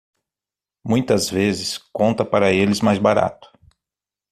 Muitas vezes, conta para eles mais barato